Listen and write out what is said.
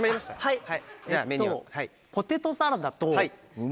はい。